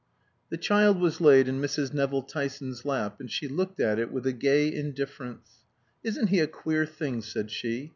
The child was laid in Mrs. Nevill Tyson's lap, and she looked at it with a gay indifference. "Isn't he a queer thing?" said she.